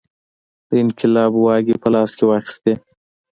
د انقلاب واګې په لاس کې واخیستې.